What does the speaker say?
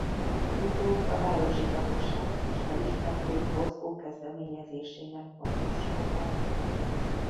Utóbb a városi hatóságok is felismerték Bosco kezdeményezésének fontosságát.